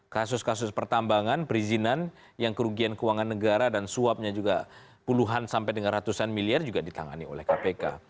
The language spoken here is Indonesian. kasus kasus pertambangan perizinan yang kerugian keuangan negara dan suapnya juga puluhan sampai dengan ratusan miliar juga ditangani oleh kpk